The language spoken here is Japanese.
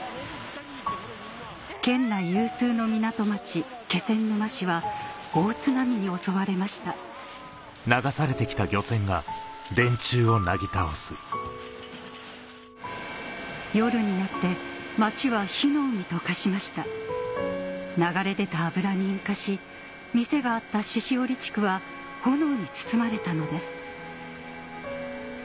県内有数の港町気仙沼市は大津波に襲われました夜になって町は火の海と化しました流れ出た油に引火し店があった鹿折地区は炎に包まれたのです